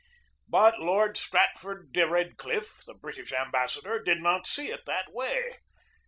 But Lord Strat ford de Redcliffe, the British ambassador, did not see it that way.